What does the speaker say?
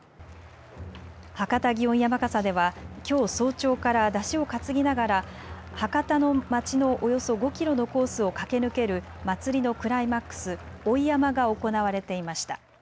博多祇園山笠ではきょう早朝から山車を担ぎながら博多のまちのおよそ５キロのコースを駆け抜ける祭りのクライマックス、追い山笠が行われていました。